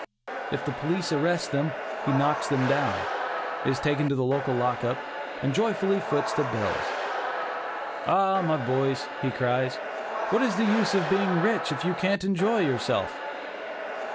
If the police arrest them, he knocks them down, is taken to the lock up, and joyfully foots the bills. "Ah! my boys," he cries, "what is the use of being rich, if you can't enjoy yourself?"